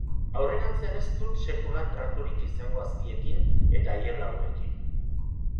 Aurrerantzean ez dut sekula traturik izango aztiekin edo haien lagunekin.